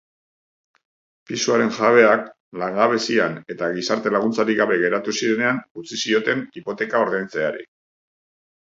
Pisuaren jabeak langabezian eta gizarte laguntzarik gabe geratu zirenean utzi zioten hipoteka ordaintzeari.